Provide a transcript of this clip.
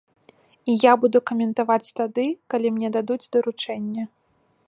І я буду каментаваць тады, калі мне дадуць даручэнне.